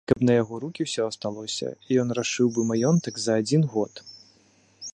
І каб на яго рукі ўсё асталося, ён рашыў бы маёнтак за адзін год.